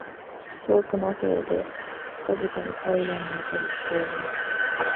•遠くの方で、微かにサイレンの音が聞こえます。